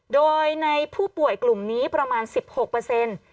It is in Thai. โดยในผู้ป่วยกลุ่มนี้ประมาณ๑๖เปอร์เซ็นต์